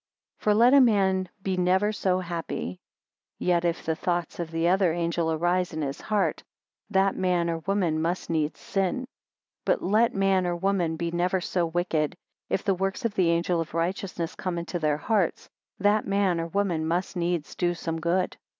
16 For let a man be never so happy; yet if the thoughts of the other angel arise in his heart, that man or woman must needs sin. 17 But let man or woman be never so wicked, if the works of the angel of righteousness come into their hearts, that man or woman must needs do some good.